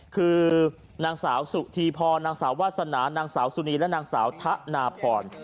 คือนางสาวสุธีพรนางสาววาสนานางสาวสุนีและนางสาวทะนาพร